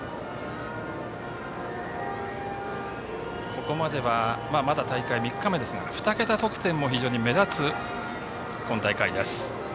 ここまではまだ大会３日目ですが２桁得点も非常に目立つ今大会です。